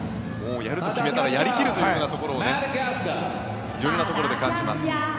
やると決めたらやり切るというようなところを色んなところで感じます。